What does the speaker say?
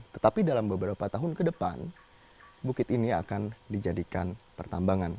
tetapi dalam beberapa tahun ke depan bukit ini akan dijadikan pertambangan